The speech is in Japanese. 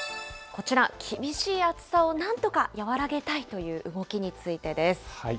こちら、厳しい暑さをなんとか和らげたいという動きについてです。